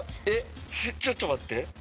えっちょっと待って。